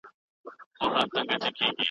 که انلاين وسايل تازه وي تدريس اغېزمن کيږي.